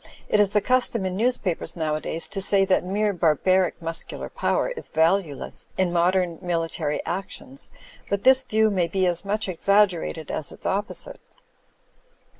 It is the custom in newspapers nowadays to say that mere bar baric muscular power is valueless in modem military actions, but this view may be as much exaggerated as its opposite.